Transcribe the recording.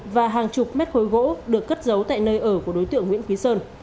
và hàng chục mét khối gỗ được cất giấu tại nơi ở của đối tượng nguyễn phí sơn